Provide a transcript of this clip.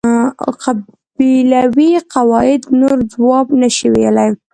قبیلوي قواعد نور ځواب نشوای ویلای.